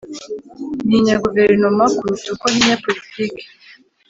Ntinya guverinoma kuruta uko ntinya politic